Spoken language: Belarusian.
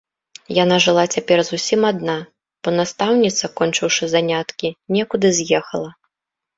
Яна жыла цяпер зусім адна, бо настаўніца, кончыўшы заняткі, некуды з'ехала.